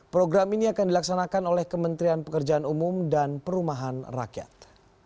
program ini akan dilaksanakan oleh kementerian pekerjaan umum dan perumahan rakyat